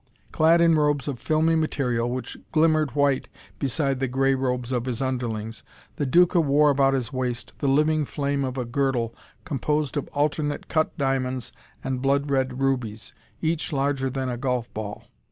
Clad in robes of filmy material which glimmered white beside the gray robes of his underlings, the Duca wore about his waist the living flame of a girdle composed of alternate cut diamonds and blood red rubies each larger than a golf ball.